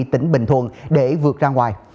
tỉnh bình thuận để vượt ra ngoài